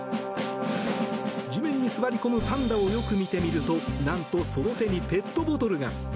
地面に座り込むパンダをよく見てみると何と、その手にペットボトルが。